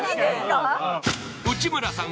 内村さん